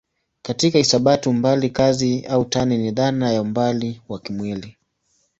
Katika hisabati umbali kazi au tani ni dhana ya umbali wa kimwili.